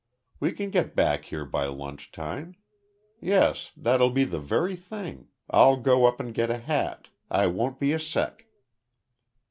We can get back here by lunch time. Yes, that'll be the very thing. I'll go up and get a hat I won't be a sec."